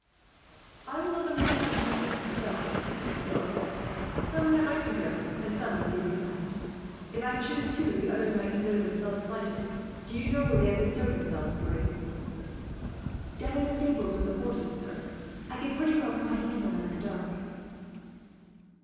"I would let them decide the matter for themselves," Philip said. "Some might like to go, and some to stay behind. If I chose two, the others might consider themselves slighted. "Do you know where they have bestowed themselves, Pierre?" "Down in the stables with the horses, sir. I could pretty well put my hand on them, in the dark."